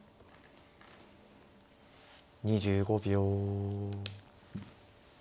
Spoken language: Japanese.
２５秒。